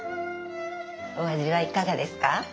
お味はいかがですか？